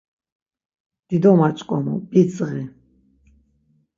Dido maç̌ǩomu, bidzği.